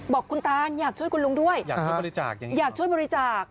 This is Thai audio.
บอกคุณตานอยากช่วยคุณลุงด้วยอยากช่วยบริจาค